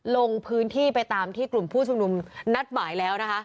ลงพื้นที่ไปตามที่กลุ่มผู้ชุมนุมนัดหมายแล้วนะคะ